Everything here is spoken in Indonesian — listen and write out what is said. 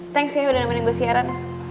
thanks ya udah namanya gue si aaron